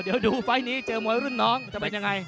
เดี๋ยวดูไฟล์นี้เจอมวยรุ่นน้องจะเป็นยังไง